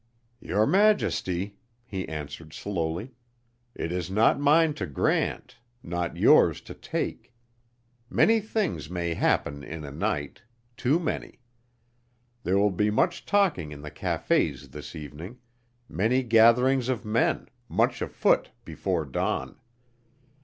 "Your Majesty," he answered slowly, "it is not mine to grant, not yours to take. Many things may happen in a night, too many. There will be much talking in the cafés this evening, many gatherings of men, much afoot before dawn.